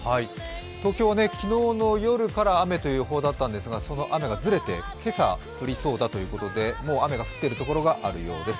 東京は昨日の夜から雨という予報だったんですがその雨がずれて今朝降りそうだということでもう雨が降っている所があるようです。